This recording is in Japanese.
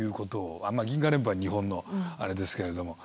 まあ銀河連邦は日本のあれですけれども。